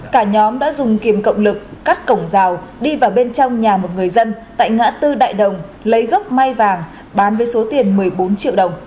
cả nhóm đã dùng kiềm cộng lực cắt cổng rào đi vào bên trong nhà một người dân tại ngã tư đại đồng lấy gốc mai vàng bán với số tiền một mươi bốn triệu đồng